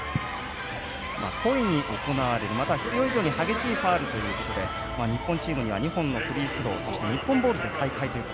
故意に行われる、または必要以上に激しいファウルということで日本チームには２本のフリースローそして日本ボールで再開。